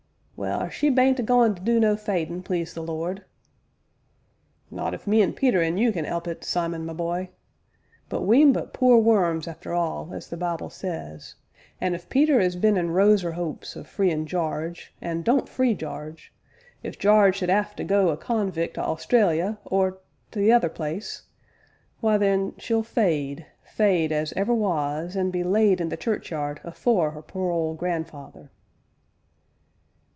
"Well, she bean't a goin' to do no fadin', please the Lord!" "Not if me an' Peter an' you can 'elp it, Simon, my bye but we 'm but poor worms, arter all, as the Bible says; an' if Peter 'as been an' rose 'er 'opes o' freein' Jarge, an' don't free Jarge if Jarge should 'ave to go a convic' to Austrayley, or or t' other place, why then she'll fade, fade as ever was, an' be laid in the churchyard afore 'er poor old grandfeyther!"